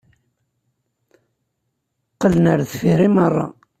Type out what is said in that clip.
Qqlen ar deffir i meṛṛa.